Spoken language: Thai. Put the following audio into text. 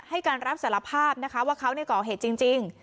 ให้การรับสารภาพนะคะว่าเขาก่อเหตุจริง